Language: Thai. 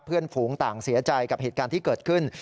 ฝูงต่างเสียใจกับเหตุการณ์ที่เกิดขึ้น